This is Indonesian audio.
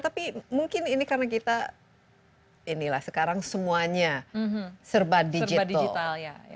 tapi mungkin ini karena kita inilah sekarang semuanya serba digital